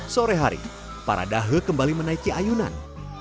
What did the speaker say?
sore hari para dahe kembali menaiki ayunan